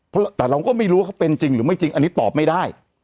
เพราะแต่เราก็ไม่รู้ว่าเขาเป็นจริงหรือไม่จริงอันนี้ตอบไม่ได้